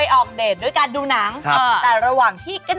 เออเลอออกมาดังมาก